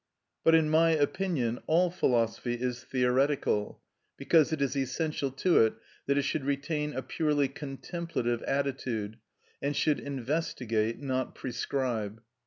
But, in my opinion, all philosophy is theoretical, because it is essential to it that it should retain a purely contemplative attitude, and should investigate, not prescribe.